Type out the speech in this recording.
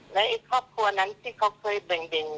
และครอบครัวนั้นที่เขาเคยแบ่ง